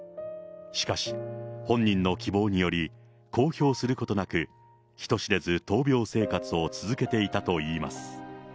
しかし、本人の希望により、公表することなく、人知れず、闘病生活を続けていたといいます。